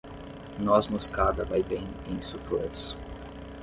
Noz-moscada vai bem em suflês